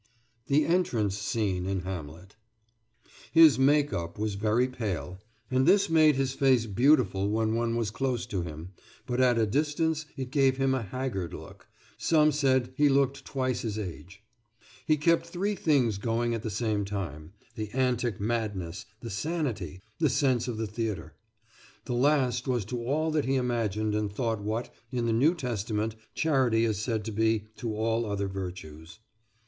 THE ENTRANCE SCENE IN "HAMLET" His "make up" was very pale, and this made his face beautiful when one was close to him, but at a distance it gave him a haggard look. Some said he looked twice his age. He kept three things going at the same time the antic madness, the sanity, the sense of the theatre. The last was to all that he imagined and thought what, in the New Testament, charity is said to be to all other virtues.